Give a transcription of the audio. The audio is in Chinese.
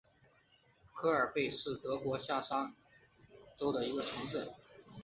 卡尔贝是德国下萨克森州的一个市镇。